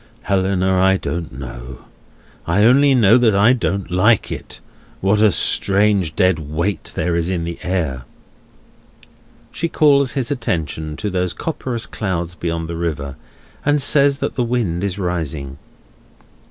"Helena, I don't know. I only know that I don't like it. What a strange dead weight there is in the air!" She calls his attention to those copperous clouds beyond the river, and says that the wind is rising.